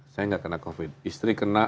saya nggak kena covid istri kena